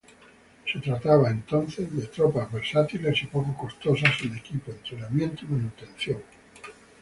Se trataba, entonces, de tropas versátiles y poco costosas en equipo, entrenamiento y manutención.